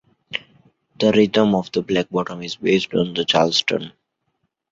The rhythm of the black bottom is based on the Charleston.